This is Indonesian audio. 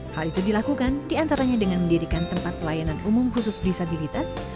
hal itu dilakukan diantaranya dengan mendirikan tempat pelayanan umum khusus disabilitas